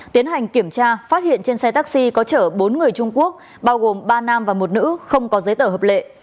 tiến hành kiểm tra phát hiện trên xe taxi có chở bốn người trung quốc bao gồm ba nam và một nữ không có giấy tờ hợp lệ